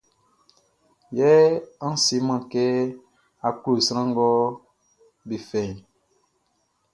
Yɛ a seman kɛ a klo sran nga be fɛʼn.